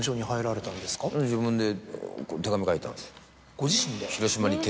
ご自身で？